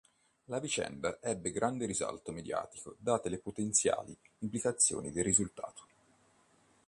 La vicenda ebbe grande risalto mediatico date le potenziali implicazioni del risultato.